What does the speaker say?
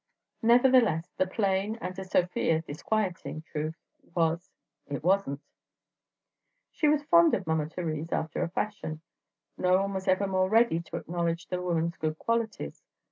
Nevertheless, the plain, and to Sofia disquieting, truth was: it wasn't. She was fond of Mama Thérèse after a fashion. No one was ever more ready to acknowledge the woman's good qualities.